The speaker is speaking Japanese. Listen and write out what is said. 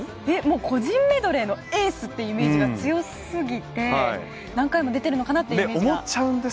個人メドレーのエースというイメージが強すぎて何回も出ているかなというイメージがあります。